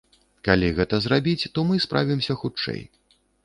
Калі гэта зрабіць, то мы справімся хутчэй.